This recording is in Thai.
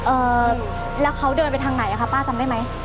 เอ่อแล้วเขาเดินไปทางไหนอ่ะคะป้าจำได้ไหม